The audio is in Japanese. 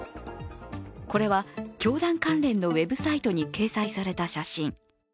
これは、教団関連のウェブサイトに掲載された写真。